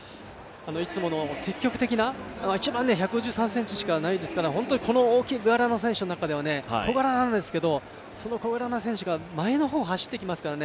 いつもの積極的な、１５３ｃｍしかないですから本当にこの大柄の選手の中では小柄なんですけどその小柄な選手が前の方を走ってきますから